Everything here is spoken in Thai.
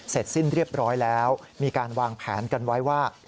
เสร็จสิ้นเรียบร้อยแล้วมีการวางแผนกันไว้ว่า